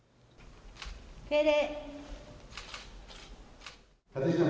敬礼。